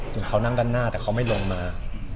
เขานั่งด้านหน้าแต่เขาไม่ลงมา